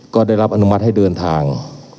ก็ได้รับอนุมัติให้เดินทาง